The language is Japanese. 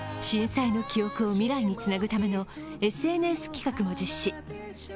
震災の記憶を未来につなぐためのＳＮＳ企画も実施。